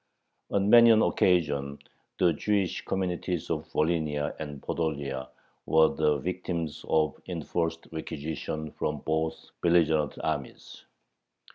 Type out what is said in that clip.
On many an occasion the Jewish communities of Volhynia and Podolia were the victims of enforced requisitions from both belligerent armies.